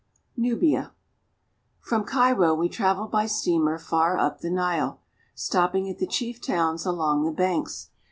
NUBIA FROM Cairo we travel by steamer far up the Nile, stopping at the chief towns along the banks.